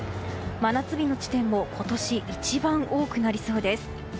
真夏日の地点も今年一番多くなりそうです。